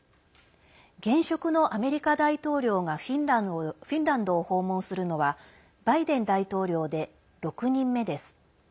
現職のアメリカ大統領がフィンランドを訪問するのはバイデン大統領で６人目です。